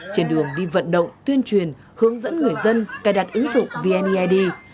trên đường đi vận động tuyên truyền hướng dẫn người dân cài đặt ứng dụng vneid